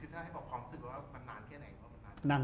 คือถ้าให้บอกความสุขกับมันนานแค่ไหน